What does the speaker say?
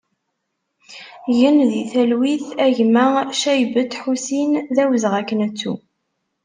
Gen di talwit a gma Caybet Ḥusin, d awezɣi ad k-nettu!